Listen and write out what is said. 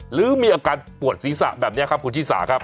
หรือมีอาการปวดศีรษะแบบนี้ครับคุณชิสาครับ